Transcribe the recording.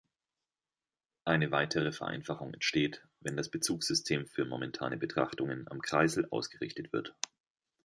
Eine weitere Vereinfachung entsteht, wenn das Bezugssystem für momentane Betrachtungen am Kreisel ausgerichtet wird.